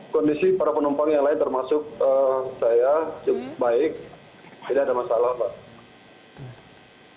kondisi para penumpang yang lain termasuk saya cukup baik tidak ada masalah pak